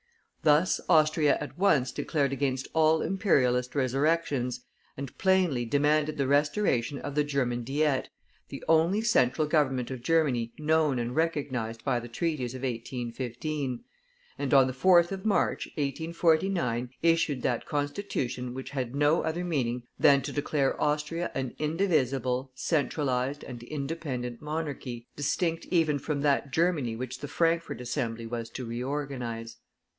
Thus Austria at once declared against all imperialist resurrections, and plainly demanded the restoration of the German Diet, the only Central Government of Germany known and recognized by the treaties of 1815; and on the 4th of March, 1849, issued that Constitution which had no other meaning than to declare Austria an indivisible, centralized, and independent monarchy, distinct even from that Germany which the Frankfort Assembly was to reorganize.